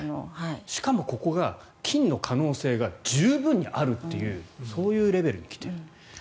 しかもここが金の可能性が十分にあるというそういうレベルに来ている。